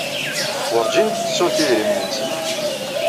Werǧin ttettunt idrimen-nsent.